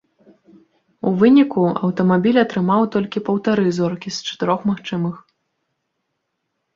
У выніку аўтамабіль атрымаў толькі паўтары зоркі з чатырох магчымых.